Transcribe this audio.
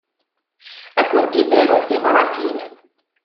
Ad akent-id-aruɣ tibratin.